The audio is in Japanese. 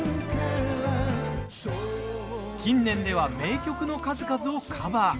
近年では、名曲の数々をカバー。